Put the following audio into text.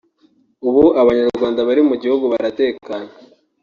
“Ubu Abanyarwanda bari mu gihugu baratekanye